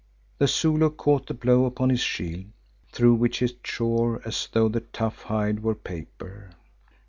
The Zulu caught the blow upon his shield, through which it shore as though the tough hide were paper.